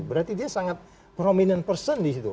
berarti dia sangat prominent person di situ